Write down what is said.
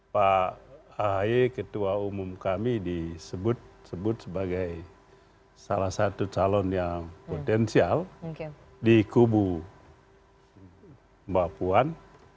pak ahy ketua umum kami disebut sebagai salah satu calon yang potensial di kubu mbak puan